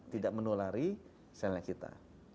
tidak menulari cell nya kita